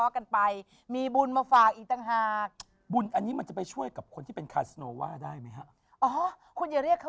กำลังใส่ความใครเนี่ย